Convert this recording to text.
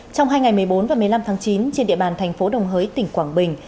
trong hai ngày một mươi bốn và một mươi năm tháng chín trên địa bàn thành phố đồng hới tỉnh quảng bình